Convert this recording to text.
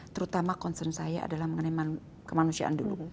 terutama concern saya adalah mengenai kemanusiaan dulu